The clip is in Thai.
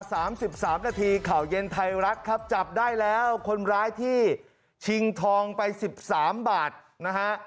สามสิบสามนาทีข่าวเย็นไทยรัฐครับจับได้แล้วคนร้ายที่ชิงทองไปสิบสามบาทนะฮะ